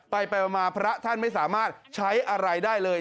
ไปมาพระท่านไม่สามารถใช้อะไรได้เลย